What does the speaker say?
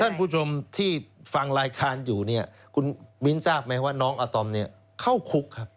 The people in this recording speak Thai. ท่านผู้ชมที่ฟังรายการอยู่เนี่ยคุณมิ้นทราบไหมว่าน้องอาตอมเนี่ยเข้าคุกครับ